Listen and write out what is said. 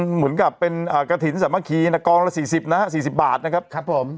เหมือนกับเป็นกะถิ่นสามัคคีหนักกองละ๔๐นะครับ๔๐บาทนะครับ